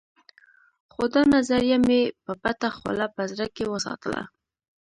خو دا نظريه مې په پټه خوله په زړه کې وساتله.